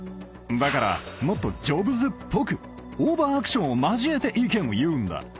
だからもっとジョブズっぽくオーバーアクションを交えて意見を言うんだ。